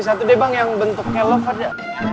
bagi satu deh bang yang bentuk kayak loff ada